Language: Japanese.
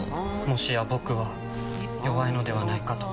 もしや僕は弱いのではないかと。